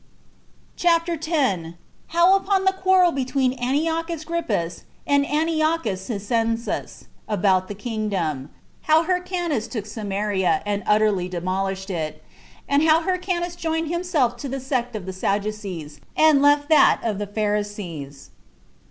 CHAPTER 10. How Upon The Quarrel Between Antiochus Grypus And Antiochus Cyzicenus About The Kingdom Hyrcanus Tooksamaria, And Utterly Demolished It; And How Hyrcanus Joined Himself To The Sect Of The Sadducees, And Left That Of The Pharisees.